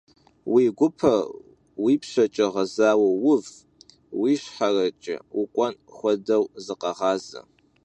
Vui guper yipşeç'e ğezaue vuv, yişxhereç'e vuk'uen xuedeu zıkheğaze.